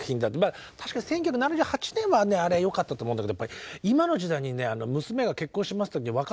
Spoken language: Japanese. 確かに１９７８年はあれはよかったと思うんだけど今の時代に娘が結婚しますって分かった娘はくれてやる。